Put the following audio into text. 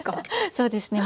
そうですね。